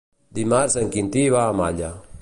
Dimarts en Quintí va a Malla.